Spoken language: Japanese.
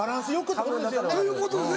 ということですね？